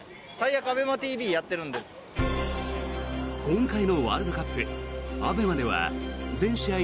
今回のワールドカップＡＢＥＭＡでは全試合